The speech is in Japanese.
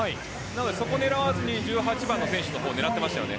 そこを狙わずに１８番の選手を狙っていました。